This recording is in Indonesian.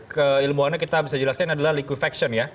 keilmuannya kita bisa jelaskan adalah liquifaction ya